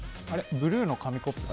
ブルーの紙コップが。